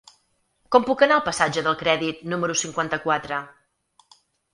Com puc anar al passatge del Crèdit número cinquanta-quatre?